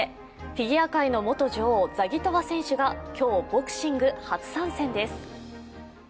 フィギア界の元女王、ザギトワ選手が今日、ボクシング初参戦です。